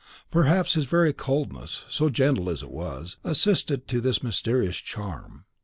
Perhaps his very coldness, so gentle as it was, assisted to this mysterious charm.